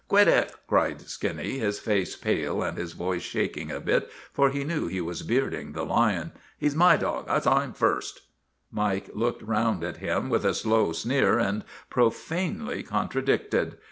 " Quit it !' cried Skinny, his face pale and his voice shaking a bit, for he knew he was bearding the lion. " He 's my dog; I saw him first." Mike looked around at him with a slow sneer and profanely contradicted.